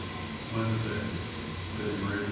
Wednesday, February 14.